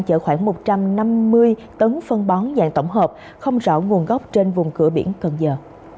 chở khoảng một trăm năm mươi tấn phân bón dạng tổng hợp không rõ nguồn gốc trên vùng cửa biển cần giờ